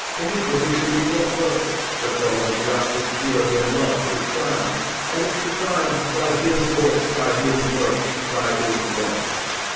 Iniquity should be brought low; the cause of justice, purity, and love should triumph; and it should triumph by his voice, by his work, by his blood.